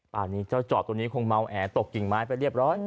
ป่านี้เจ้าจอบตัวนี้คงเมาแอตกกิ่งไม้ไปเรียบร้อย